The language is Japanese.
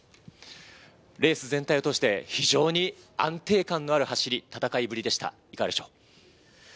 レース全体を通して安定感のある走り、戦いぶりでした。